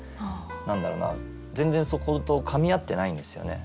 何だろうな全然そことかみ合ってないんですよね。